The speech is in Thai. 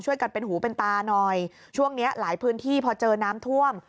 กันเป็นหูเป็นตาหน่อยช่วงเนี้ยหลายพื้นที่พอเจอน้ำท่วม